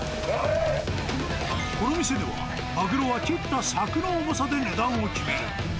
この店では、マグロは切ったさくの重さで値段を決める。